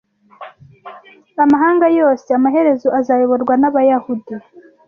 amahanga yose amaherezo azayoborwa nabayahudi